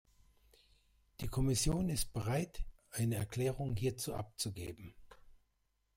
Die Kommission ist bereit, eine Erklärung hierzu abzugeben.